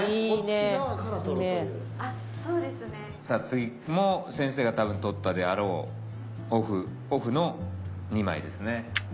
さあ次も先生が多分撮ったであろうオフの２枚ですね。